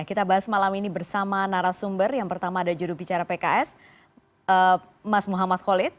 kita bahas malam ini bersama narasumber yang pertama ada jurubicara pks mas muhammad khalid